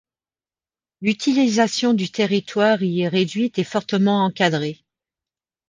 L’utilisation du territoire y est réduite et fortement encadrée.